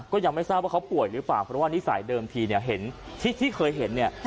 เค้าก็เดินขมมาเรื่อย